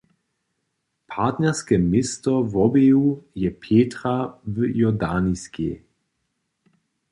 Partnerske město wobeju je Petra w Jordaniskej.